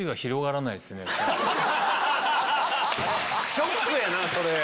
ショックやなそれ。